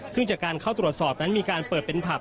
ซึ่งจากการเข้าตรวจสอบนั้นมีการเปิดเป็นผับ